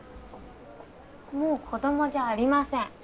もう子どもじゃありません。